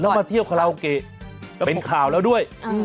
แล้วมาเที่ยวคาราโอเกะเป็นข่าวแล้วด้วย